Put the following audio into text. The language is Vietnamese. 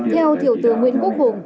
theo thiểu tướng nguyễn quốc hùng